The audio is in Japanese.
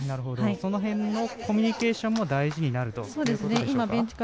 その辺のコミュニケーションも大事になるということでしょうか。